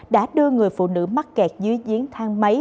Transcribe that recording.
đã đưa người phụ nữ mắc kẹt dưới giếng thang máy